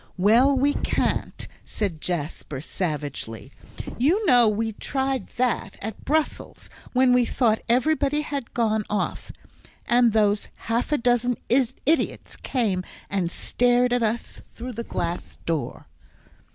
"Well, we can't," said Jasper, savagely; "you know we tried that at Brussels, when we thought everybody had gone off. And those half a dozen idiots came and stared at us through the glass door."